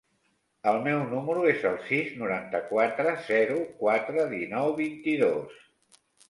El meu número es el sis, noranta-quatre, zero, quatre, dinou, vint-i-dos.